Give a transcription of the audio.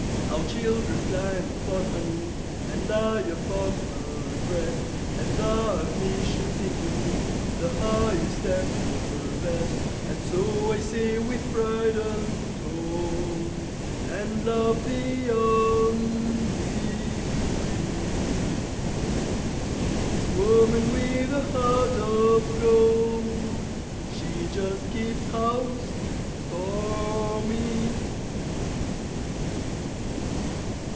Our children climb upon her knee And lie upon her breast, And ah! her mission seems to me The highest and the best, And so I say with pride untold, And love beyond degree, This woman with the heart of gold She just keeps house for me.